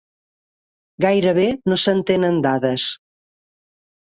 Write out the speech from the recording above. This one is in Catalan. Gairebé no se'n tenen dades.